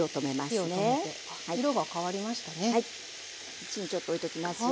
こっちにちょっと置いておきますよ。